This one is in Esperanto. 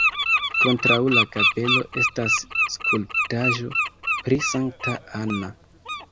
Kontraŭ la kapelo estas skulptaĵo pri Sankta Anna.